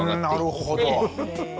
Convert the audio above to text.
なるほど。